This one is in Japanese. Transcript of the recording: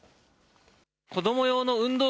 子ども用の運動